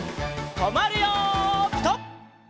とまるよピタ！